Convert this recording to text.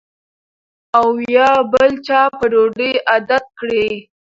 او یا بل چا په ډوډۍ عادت کړی